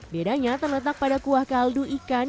bedanya terletak pada kuah kaldu ikan